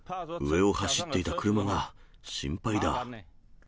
上を走っていた車が心配だ。